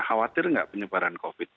khawatir nggak penyebaran covid